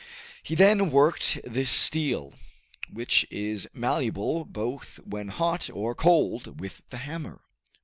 He then worked this steel, which is malleable both when hot or cold, with the hammer.